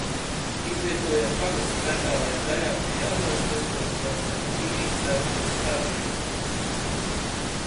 Izvietojies pagasta centrālajā daļā pie Jelgavas–Krustpils dzelzceļa līnijas Sēlpils stacijas.